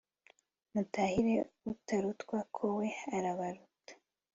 mutahira utarutwa ko we arabaruta